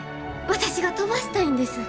私が飛ばしたいんです。